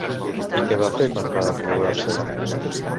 I què va fer quan va acomodar-se?